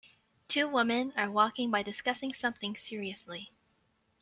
Two woman are walking by discussing something seriously.